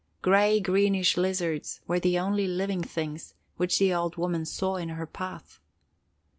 Gray greenish lizards were the only living things which the old woman saw in her path.